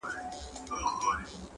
خو له سره ژوندون نه سو پیل کولای!.